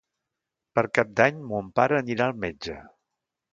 Per Cap d'Any mon pare anirà al metge.